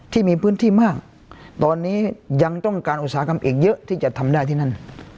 ที่มีพื้นที่มากตอนนี้ยังต้องการอุตสาหกรรมอีกเยอะที่จะทำได้ที่นั่น